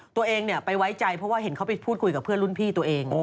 ตัวเองไปไว้ใจเพราะว่าเห็นเขาไปพูดคุยกับเพื่อนรุ่นพี่ตัวเอง